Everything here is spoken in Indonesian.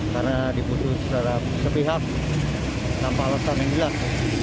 karena diputus secara sepihak tanpa alasan yang jelas